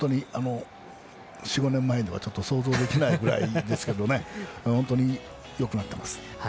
４５年前では想像できないぐらいですが本当によくなっています。